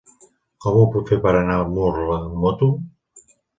Com ho puc fer per anar a Murla amb moto?